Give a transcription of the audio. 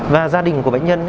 và gia đình của bệnh nhân